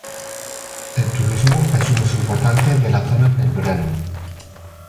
El turismo es un uso importante de la zona en el verano.